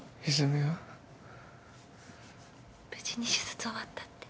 無事に手術終わったって。